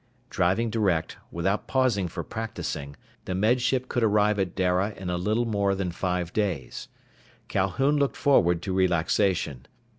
Driving direct, without pausing for practising, the Med Ship could arrive at Dara in a little more than five days. Calhoun looked forward to relaxation.